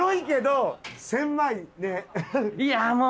いやもう。